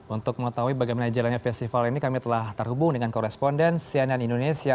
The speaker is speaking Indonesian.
untuk mengetahui bagaimana jalannya festival ini kami telah terhubung dengan koresponden cnn indonesia